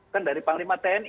kan dari panglima tni